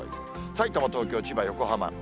さいたま、東京、千葉、横浜。